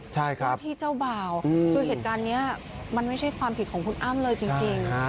ใช่ครับที่เจ้าบ่าวคือเหตุการณ์นี้มันไม่ใช่ความผิดของคุณอ้ำเลยจริง